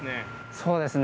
そうですね。